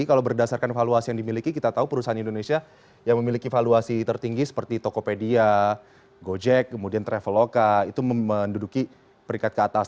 kalau berdasarkan valuasi yang dimiliki kita tahu perusahaan indonesia yang memiliki valuasi tertinggi seperti tokopedia gojek kemudian traveloka itu menduduki peringkat ke atas